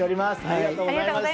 ありがとうございます。